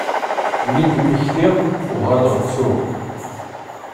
Mi d-mmektiɣ uɣaleɣ ttuɣ.